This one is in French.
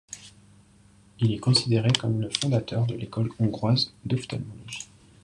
Il est considéré comme le fondateur de l'école hongroise d'ophtalmologie.